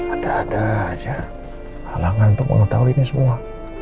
ada ada aja halangan untuk mengetahuinya semua